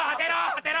当てろ！